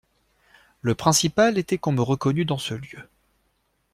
Le principal était qu'on me reconnût dans ce lieu.